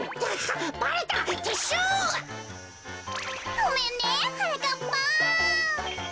ごめんねはなかっぱん。